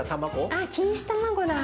あっ錦糸卵だこの。